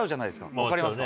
分かりますか？